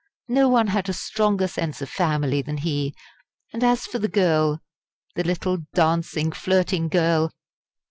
No one had a stronger sense of family than he. And as for the girl the little dancing, flirting girl!